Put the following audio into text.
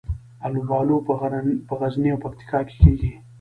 الوبالو په غزني او پکتیکا کې کیږي